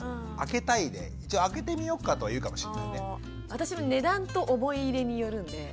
私も値段と思い入れによるんで。